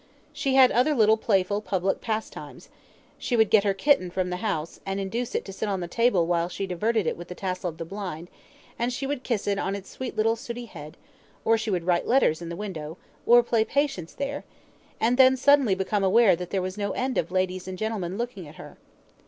She had other little playful public pastimes: she would get her kitten from the house, and induce it to sit on the table while she diverted it with the tassel of the blind, and she would kiss it on its sweet little sooty head, or she would write letters in the window, or play Patience there, and then suddenly become aware that there was no end of ladies and gentlemen looking at her.